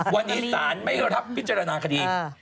วันนี้สารไม่รับพิจารณาคดี